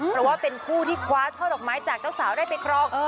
เพราะว่าเป็นผู้ที่คว้าช่อดอกไม้จากเจ้าสาวได้ไปครอง